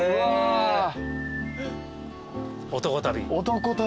男旅。